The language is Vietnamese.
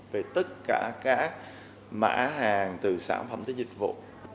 về tất cả các mã hàng từ sản phẩm tới dịch vụ